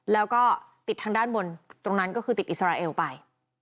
แล้วก็ติดทางด้านบนตรงนั้นก็คือติดอิสราเอลไป